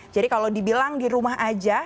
jadi kalau dibilang di rumah saja